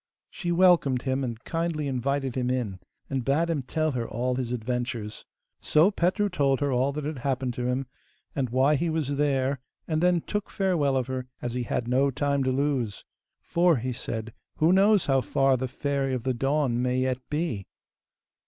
She welcomed him, and kindly invited him in, and bade him tell her all his adventures. So Petru told her all that had happened to him, and why he was there, and then took farewell of her, as he had no time to lose. 'For,' he said, 'who knows how far the Fairy of the Dawn may yet be?